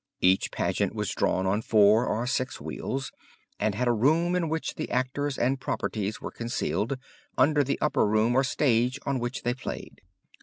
Each pageant was drawn on four or six wheels, and had a room in which the actors and properties were concealed, under the upper room or stage on which they played."